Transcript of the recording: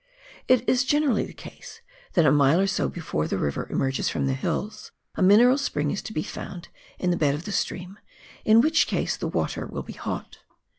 It is generally the case that a mile or so before the river emerges from the hills, a mineral spring is to be found in the bed of the stream, in which case the water will be hot.